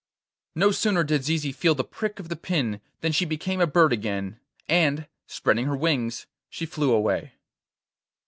No sooner did Zizi feel the prick of the pin than she became a bird again, and, spreading her wings, she flew away.